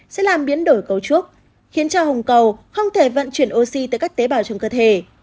sẽ làm biến đổi cấu trúc khiến cho hùng cầu không thể vận chuyển oxy tới các tế bào trong cơ thể